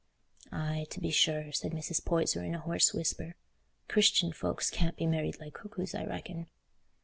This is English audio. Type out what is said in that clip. "Aye, to be sure," said Mrs. Poyser, in a hoarse whisper; "Christian folks can't be married like cuckoos, I reckon."